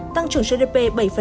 tăng trưởng gdp bảy